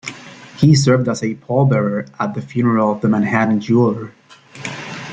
He served as a pall-bearer at the funeral of the Manhattan jeweler.